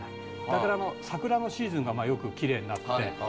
だから桜のシーズンがよくキレイになって。